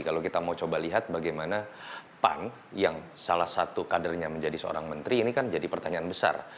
kalau kita mau coba lihat bagaimana pan yang salah satu kadernya menjadi seorang menteri ini kan jadi pertanyaan besar